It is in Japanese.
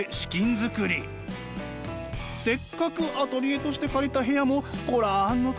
せっかくアトリエとして借りた部屋も御覧のとおり。